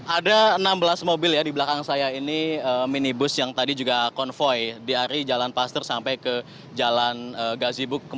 ada enam belas mobil ya di belakang saya ini minibus yang tadi juga konvoy di hari jalan pasteur sampai ke jalan gazi buk